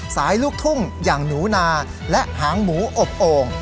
ลูกทุ่งอย่างหนูนาและหางหมูอบโอ่ง